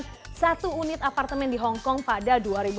kebiasaan apartemen di hongkong pada dua ribu tiga belas